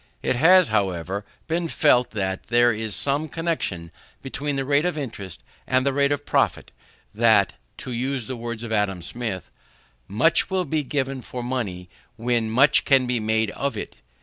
It has, however, been felt that there is some connexion between the rate of interest and the rate of profit; that (to use the words of Adam Smith) much will be given for money, when much can be made of it.